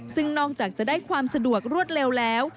ซึ่งนอกจากจะได้ความสะดวกรวดเร็วแล้ว